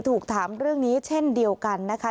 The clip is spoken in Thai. ถูกถามเรื่องนี้เช่นเดียวกันนะคะ